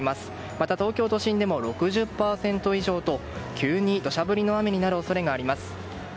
また、東京都心でも６０％以上と急に土砂降りの雨になる恐れがあります。